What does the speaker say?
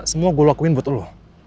semua gue lakuin buat allah